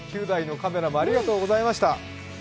９台のカメラもありがとうございました。